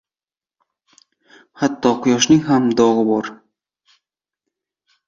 • Hatto Quyoshning ham dog‘i bor.